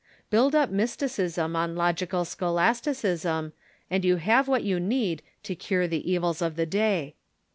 Build iip mysticism on logical scholasticism, and you have what you need to cure the evils of the day.